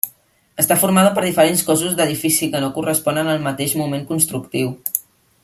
Està formada per diferents cossos d'edifici que no corresponen al mateix moment constructiu.